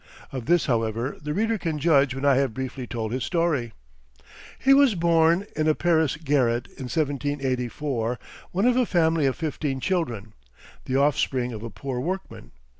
Of this, however, the reader can judge when I have briefly told his story. He was born in a Paris garret, in 1784, one of a family of fifteen children, the offspring of a poor workman.